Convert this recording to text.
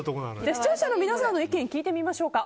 視聴者の皆さんの意見を聞いてみましょうか。